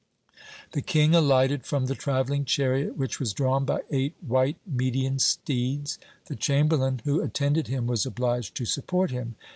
"The King alighted from the travelling chariot, which was drawn by eight white Median steeds. The chamberlain who attended him was obliged to support him.